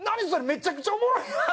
めちゃくちゃおもろい頭！」